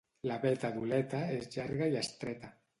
La veta d'Oleta és llarga i estreta.